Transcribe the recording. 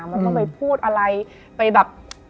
มันมาไปพูดอะไรไปแบบ